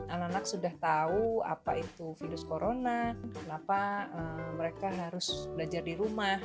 anak anak sudah tahu apa itu virus corona kenapa mereka harus belajar di rumah